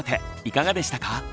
いかがでしたか？